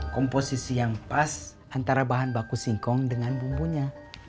komposisi yang pas antara bahan baku singkong dengan bumbunya